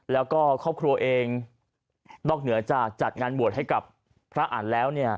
แล้วก็ครอบครัวเองนอกเหนือจากจัดงานบวชให้กับพระอันต์แล้วเนี่ย